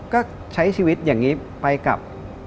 ก็ใช้ชีวิตอย่างนี้ไปกับ